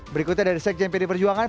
berikutnya dari sekjen pd perjuangan